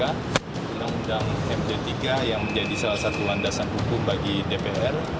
undang undang md tiga yang menjadi salah satu landasan hukum bagi dpr